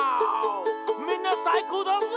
「みんなさいこうだぜ！」